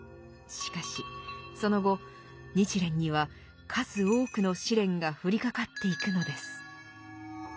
しかしその後日蓮には数多くの試練が降りかかっていくのです。